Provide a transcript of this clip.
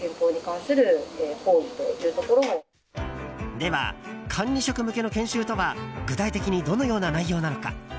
では、管理職向けの研修とは具体的にどのような内容なのか？